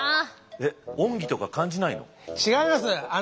えっ恩義とか感じないの？